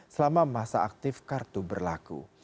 selama masa aktif kartu berlaku